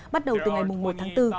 bắt đầu từ ngày một tháng bốn